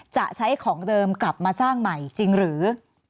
จะใช้ของเดิมกลับมาสร้างใหม่จริงหรือ